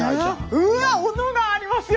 うわおのがありますよ！